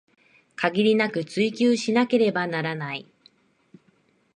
限りなく追求しなければならない